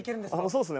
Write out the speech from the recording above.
そうですね。